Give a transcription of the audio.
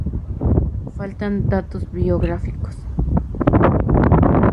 Faltan datos biográficos.